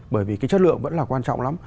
bởi vì cái chất lượng vẫn là quan trọng lắm